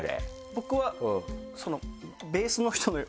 僕は。